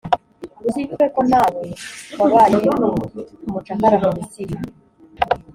uzibuke ko nawe wabaye umucakara mu misiri,